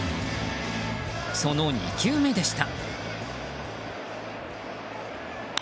その２球目でした。